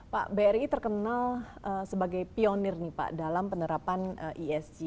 pak bri terkenal sebagai pionir nih pak dalam penerapan esg